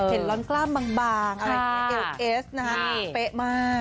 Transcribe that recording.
เห็นล้อนกล้ามบางเอิลเอสนะครับแป๊ะมาก